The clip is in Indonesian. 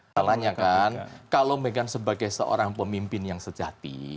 salahnya kan kalau mega sebagai seorang pemimpin yang sejati